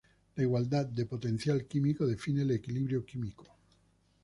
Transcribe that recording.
La igualdad de potencial químico define el equilibrio químico.